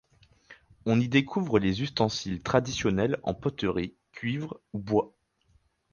On y découvre les ustensiles traditionnels en poterie, cuivre ou bois.